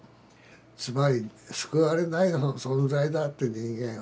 つまり救われない存在だって人間は。